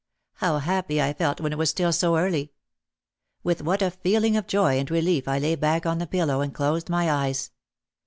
How happy I felt when it was still so early. With what a feeling of joy and relief I lay back on the pillow and closed my eyes.